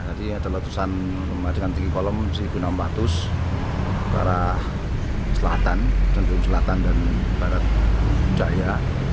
jadi ada letusan dengan tinggi kolom seribu enam ratus para selatan dan barat daya